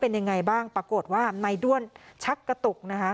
เป็นอย่างไรบ้างปรากฏว่านายด้วนชักกระตุก